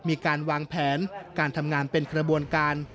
มีการวางแผนการทำงานเป็นกระบวนการ